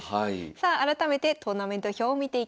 さあ改めてトーナメント表を見ていきましょう。